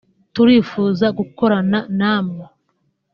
turifuza gukorana na mwe